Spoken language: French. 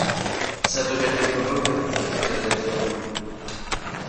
Ça devait être mauvais, ajouta Ned Land.